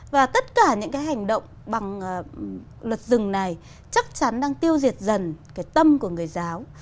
và tất cả những cái hành động bằng luật rừng này chắc chắn đang tiêu diệt dần cái tâm của người giáo